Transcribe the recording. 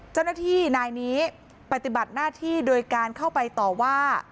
เจ้าหน้าที่นายนี้ปฏิบัติหน้าที่โดยการเข้าไปต่อว่า